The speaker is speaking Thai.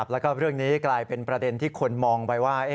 แล้วก็เรื่องนี้กลายเป็นประเด็นที่คนมองไปว่า